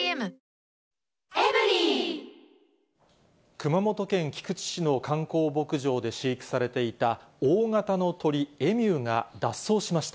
熊本県菊池市の観光牧場で飼育されていた大型の鳥、エミューが脱走しました。